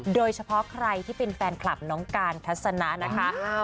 โดยเฉพาะใครที่เป็นแฟนคลับน้องการทัศนะนะคะ